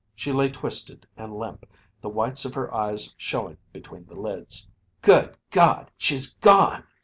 She lay twisted and limp, the whites of her eyes showing between the lids. "Good God, she's gone!"